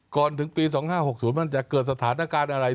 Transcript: ก่อนถึงปี๒๕๖๐มันจะเกิดสถานการณ์อะไร